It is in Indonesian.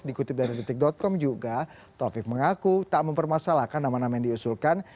dikutip dari detik com juga taufik mengaku tak mempermasalahkan nama nama yang diusulkan